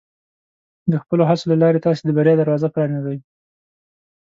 د خپلو هڅو له لارې، تاسو د بریا دروازه پرانیزئ.